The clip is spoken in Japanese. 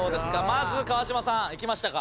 まず川島さんいきましたか？